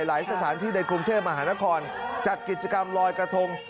หลายสถานที่ในกรุงเทพมหานครจัดกิจกรรมลอยกระทง